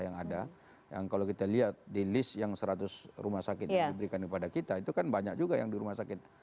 yang ada yang kalau kita lihat di list yang seratus rumah sakit yang diberikan kepada kita itu kan banyak juga yang di rumah sakit